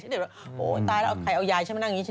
ฉันเดี๋ยวโอ๊ยตายแล้วใครเอายายฉันมานั่งอย่างนี้